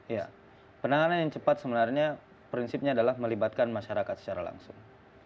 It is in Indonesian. ya penanganan yang cepat sebenarnya prinsipnya adalah melibatkan masyarakat secara langsung